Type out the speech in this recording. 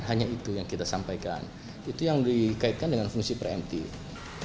hanya itu yang kita sampaikan itu yang dikaitkan dengan fungsi preemptif